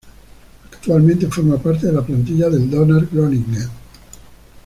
Actualmente forma parte de la plantilla del Donar Groningen.